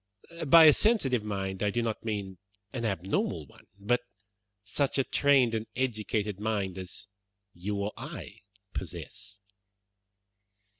By a sensitive mind I do not mean an abnormal one, but such a trained and educated mind as you or I possess."